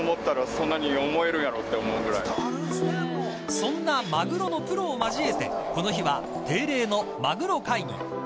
そんなマグロのプロを交えてこの日は定例のマグロ会議。